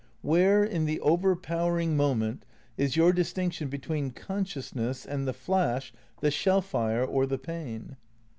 Where, in the over powering moment, is your distinction between con sciousness, and the flash, the shell fire, or the pain?